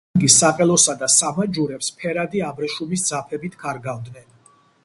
პერანგის საყელოსა და სამაჯურებს ფერადი აბრეშუმის ძაფებით ქარგავდნენ.